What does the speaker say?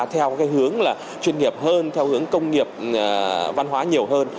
theo cái hướng là chuyên nghiệp hơn theo hướng công nghiệp văn hóa nhiều hơn